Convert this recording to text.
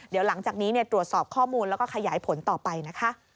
เดี๋ยวหลังจากนี้ตรวจสอบข้อมูลแล้วก็ขยายผลต่อไปนะคะ